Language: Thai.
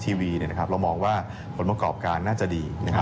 ทีวีเรามองว่าผลประกอบการน่าจะดี